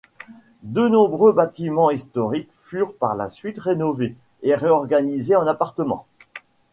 De nombreux bâtiments historiques furent par la suite rénovés et réorganisés en appartements.